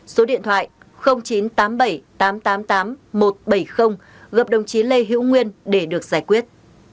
số điện thoại chín trăm tám mươi bảy tám trăm tám mươi tám một trăm bảy mươi gặp đồng chí lê hữu nguyên để được giải quyết